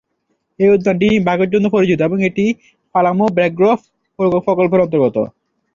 এই উদ্যানটি বাঘের জন্য পরিচিত এবং এটি পালামৌ ব্যাঘ্র প্রকল্পের অন্তর্গত।